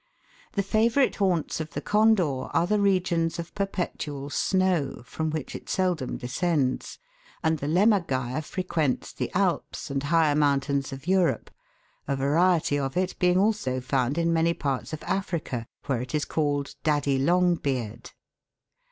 The favourite haunts of the Condor are the regions of per petual snow, from which it seldom descends ; and the Liimmergeier frequents the Alps and higher mountains of Europe, a variety of it being also found in many parts ot Africa, where it is called "Daddy Long Beard."